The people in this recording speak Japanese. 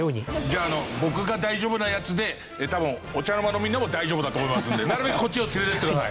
じゃあ僕が大丈夫なやつで多分お茶の間のみんなも大丈夫だと思いますのでなるべくこっちを連れていってください。